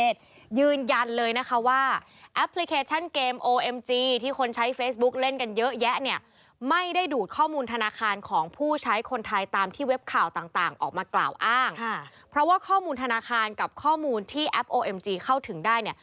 ใส่ไม่ได้ฟังดี